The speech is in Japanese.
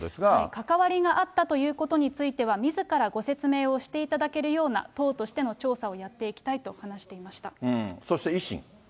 関わりがあったということについては、みずからご説明をしていただけるような党としての調査をやっていそして維新。